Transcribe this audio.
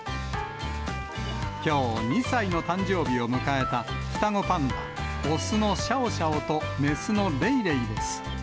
きょう、２歳の誕生日を迎えた双子パンダ、雄のシャオシャオと雌のレイレイです。